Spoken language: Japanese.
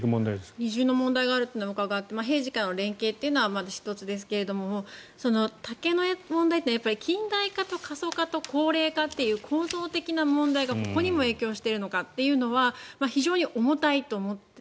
二重の問題があると伺って平時の連携というのが１つですが竹の問題って近代化と過疎化と高齢化という構造的な問題がここにも影響しているのかというのは非常に重たいと思って。